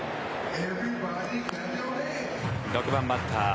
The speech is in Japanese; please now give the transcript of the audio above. ６番バッター